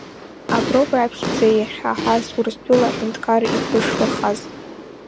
Аброуп раԥхьаӡа иахьҳаҳаз, Урыстәыла аҳәынҭқар ихы шлахаз.